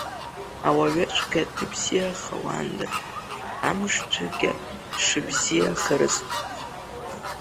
Ауаҩыцәгьа дыбзиахауанда, амшцәгьа шыбзиахарыз!